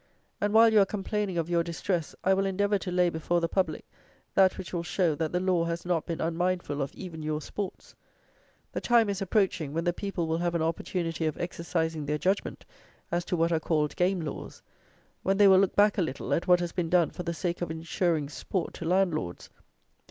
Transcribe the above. And, while you are complaining of your "distress," I will endeavour to lay before the public that which will show, that the law has not been unmindful of even your sports. The time is approaching, when the people will have an opportunity of exercising their judgment as to what are called "Game Laws;" when they will look back a little at what has been done for the sake of insuring sport to landlords.